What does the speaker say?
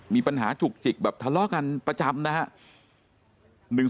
มีปัญหาจุกจิกแบบทะเลาะกันประจำนะครับ